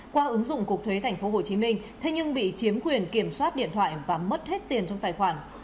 qua ứng dụng cục thuế tp hcm thế nhưng bị chiếm quyền kiểm soát điện thoại và mất hết tiền trong tài khoản